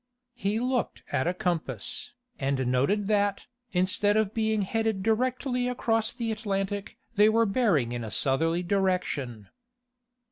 He looked at a compass, and noted that, instead of being headed directly across the Atlantic they were bearing in a southerly direction.